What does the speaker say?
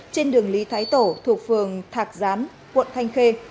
trên đường lý thái tổ thuộc phường thạc gián quận thanh khê